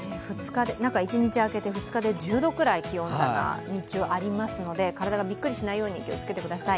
中１日空けて、２日で気温差が１０度くらいありますので体がびっくりしないように気をつけてください。